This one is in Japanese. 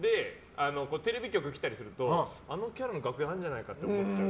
テレビ局に来たりするとあのキャラの楽屋あるんじゃないかと思っちゃう。